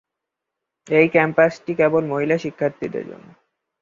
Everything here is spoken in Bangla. এই ক্যাম্পাসটি কেবল মহিলা শিক্ষার্থীদের জন্য।